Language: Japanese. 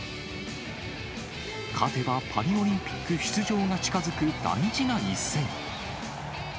勝てばパリオリンピック出場が近づく大事な一戦。